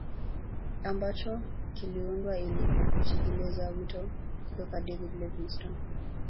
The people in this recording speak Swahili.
Ambacho kiliundwa ili kutekeleza wito kutoka David Livingstone